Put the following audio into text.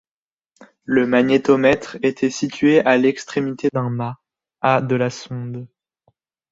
Le magnétomètre était situé à l'extrémité d'un mât, à de la sonde.